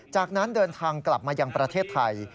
จากนั้นเดินทางกลับมายังประเทศไทย